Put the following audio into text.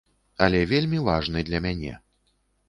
Але вельмі важны для мяне.